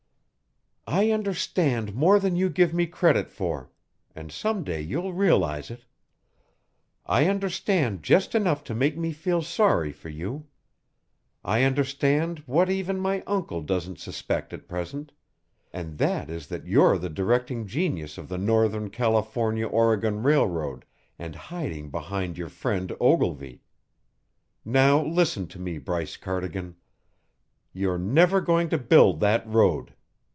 "I understand more than you give me credit for, and some day you'll realize it. I understand just enough to make me feel sorry for you. I understand what even my uncle doesn't suspect at present, and that is that you're the directing genius of the Northern California Oregon Railroad and hiding behind your friend Ogilvy. Now, listen to me, Bryce Cardigan: You're never going to build that road.